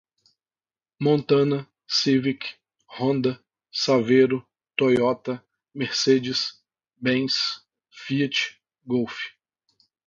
Montana, Civic, Honda, Savero, Toyota, Mercedez Bens, Fiat, Golf